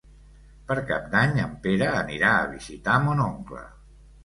Per Cap d'Any en Pere anirà a visitar mon oncle.